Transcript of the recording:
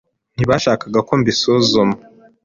Ntibashakaga ko mbisuzuma.